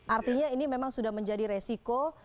artinya ini memang sudah menjadi resiko